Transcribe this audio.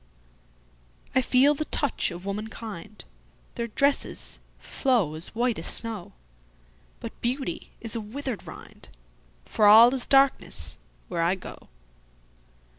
I feel the touch of womankind, Their dresses flow as white as snow; But beauty is a withered rindFor all is darkness where I go.